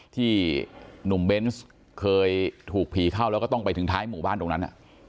ที่หนุ่มเบนส์เคยถูกผีเข้าแล้วก็ต้องไปถึงท้ายหมู่บ้านตรงนั้น